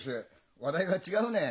話題が違うねえ。